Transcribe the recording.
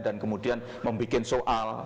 dan kemudian membuat soal